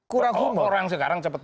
kurang hukum orang sekarang cepat